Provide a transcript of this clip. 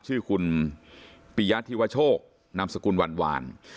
ชื่อคุณปิยัทธิวชกนามสกุลหวาน